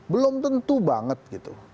belum tentu banget gitu